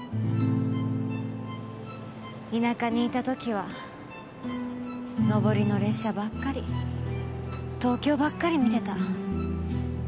田舎にいた時は上りの列車ばっかり東京ばっかり見てた。